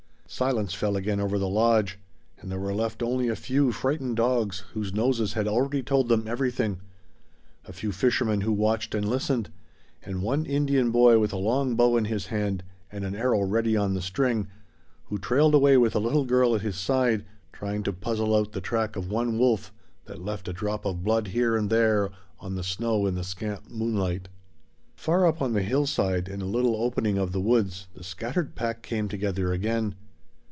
Silence fell again over the lodge; and there were left only a few frightened dogs whose noses had already told them everything, a few fishermen who watched and listened, and one Indian boy with a long bow in his hand and an arrow ready on the string, who trailed away with a little girl at his side trying to puzzle out the track of one wolf that left a drop of blood here and there on the snow in the scant moonlight. Far up on the hillside in a little opening of the woods the scattered pack came together again.